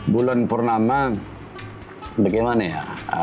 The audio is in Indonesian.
bulan purnama bagaimana ya